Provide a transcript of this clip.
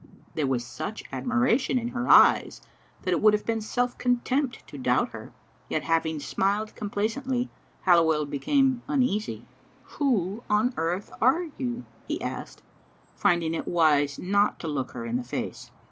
There was such admiration in her eyes that it would have been self contempt to doubt her. Yet having smiled complacently, Halliwell became uneasy. "Who on earth are you?" he asked, finding it wise not to look her in the face.